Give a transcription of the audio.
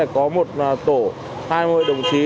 có một tổ hai mươi đồng chí